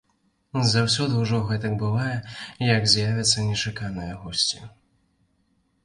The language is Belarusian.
Заўсёды ўжо гэтак бывае, як з'явяцца нечаканыя госці.